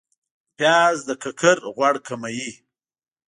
پیاز د ککر غوړ کموي